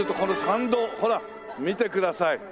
ほら見てください。